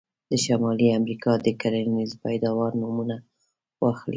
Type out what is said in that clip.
د شمالي امریکا د کرنیزو پیداوارو نومونه واخلئ.